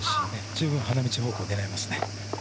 十分、花道を狙えますね。